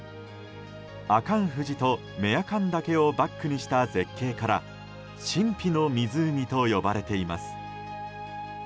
阿寒富士と雌阿寒岳をバックにした絶景から神秘の湖と呼ばれています。